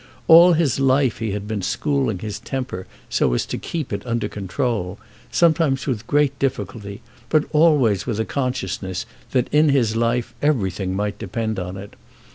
All his life he had been schooling his temper so as to keep it under control, sometimes with great difficulty, but always with a consciousness that in his life everything might depend on it.